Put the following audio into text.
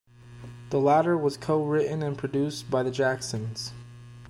The latter was co-written and produced by The Jacksons.